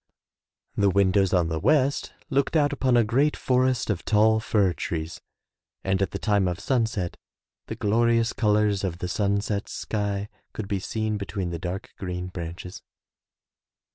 The windows on the west looked out upon a great forest of tall fir trees and at the time of sunset the glorious colors of the sunset sky could be seen between the dark green branches.